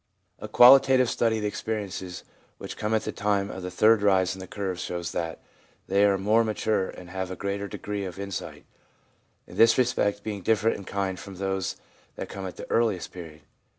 1 A qualitative study of the experiences which come at the time of the third rise in the curves shows that they are more mature and have a greater degree of insight, in this respect being different in kind from those that come at the earliest period.